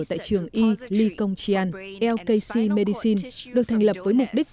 tại trường y likong chian lkc medicine được thành lập với mục đích